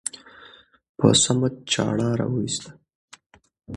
په صمد چاړه راوېسته.